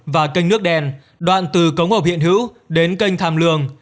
và kênh nước đen đoạn từ cống hộp hiện hữu đến kênh tham lương